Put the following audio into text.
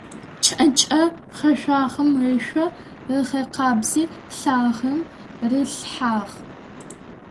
Кӏэнкӏэ гъэжъуагъэм ышъо ыгъэкъабзи лагъэм рилъхьагъ.